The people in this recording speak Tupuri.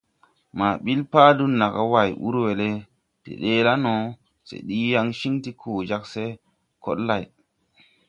Ma ɓil Patu naga, Way ur we de se la no, se ɗiigi yaŋ ciŋ ti koo jag see koɗ lay.